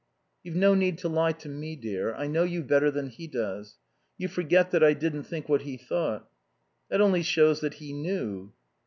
"You've no need to lie to me, dear. I know you better than he does. You forget that I didn't think what he thought." "That only shows that he knew."